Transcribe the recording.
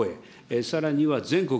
さらには全国